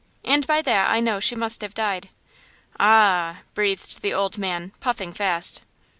And by that I know she must have died." "Ah h h!" breathed the old man, puffing fast.